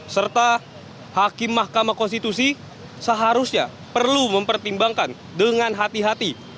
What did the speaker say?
serta hakim mahkamah konstitusi seharusnya perlu mempertimbangkan dengan hati hati